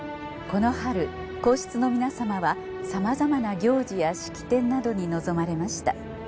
この春皇室の皆さまはさまざまな行事や式典などに臨まれました。